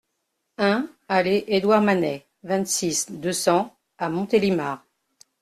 un allée Edouard Manet, vingt-six, deux cents à Montélimar